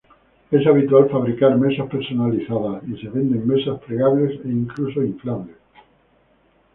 Es habitual fabricar mesas personalizadas y se venden mesas plegables e incluso inflables.